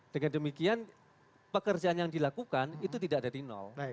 dengan demikian pekerjaan yang dilakukan itu tidak dari nol